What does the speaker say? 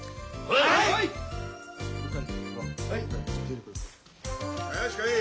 はい！